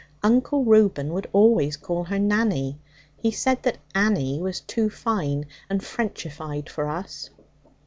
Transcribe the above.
Uncle Reuben would always call her 'Nanny'; he said that 'Annie' was too fine and Frenchified for us.